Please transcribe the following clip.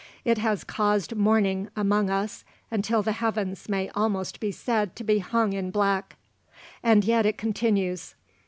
It has caused mourning among us until the heavens may almost be said to be hung in black. And yet it continues.